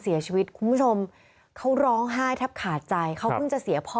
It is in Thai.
คุณผู้ชมเขาร้องไห้แทบขาดใจเขาเพิ่งจะเสียพ่อ